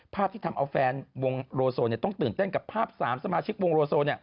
ที่ทำเอาแฟนวงโลโซต้องตื่นเต้นกับภาพ๓สมาชิกวงโลโซ